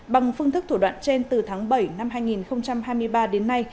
bằng phương thức thủ đoạn trên từ tháng bảy năm hai nghìn hai mươi ba đến nay